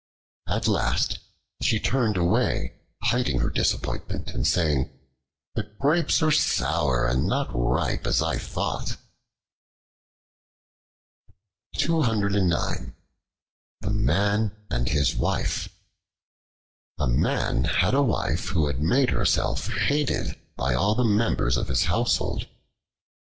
At last she turned away, hiding her disappointment and saying: "The Grapes are sour, and not ripe as I thought." The Man and His Wife A MAN had a Wife who made herself hated by all the members of his household.